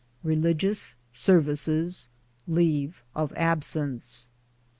RELIGIOUS SEKVICES. — LEAVE OF ABSENCE.